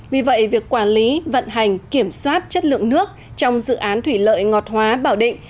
vì vậy việc quản lý vận hành kiểm soát chất lượng nước trong dự án thủy lợi ngọt hóa bảo định